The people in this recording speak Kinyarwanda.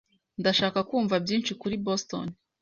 Ndashaka kumva byinshi kuri Boston.